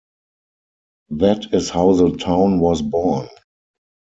That is how the town was born.